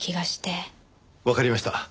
わかりました。